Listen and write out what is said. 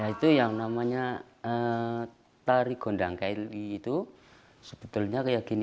itu yang namanya tari gondang kli itu sebetulnya kayak gini